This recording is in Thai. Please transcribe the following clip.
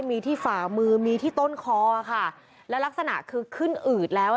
มีที่ฝ่ามือมีที่ต้นคอค่ะแล้วลักษณะคือขึ้นอืดแล้วอ่ะ